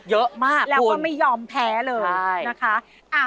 เยอะมากแล้วก็ไม่ยอมแพ้เลยนะคะ